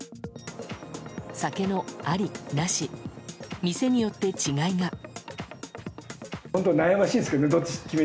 酒のありなし店によって違いが。